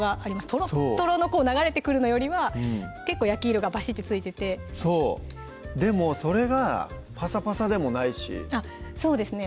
とろっとろの流れてくるのよりは結構焼き色がばしってついててそうでもそれがぱさぱさでもないしあっそうですね